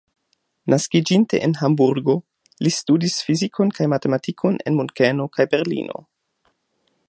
Naskiĝinte en Hamburgo, li studis fizikon kaj matematikon en Munkeno kaj Berlino.